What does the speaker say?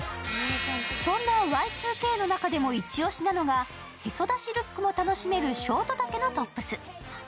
そんなＹ２Ｋの中でもイチ押しなのがへそ出しルックも楽しめるショート丈のトップス。